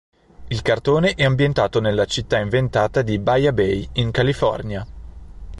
Il cartone è ambientato nella città inventata di Bahia Bay in California.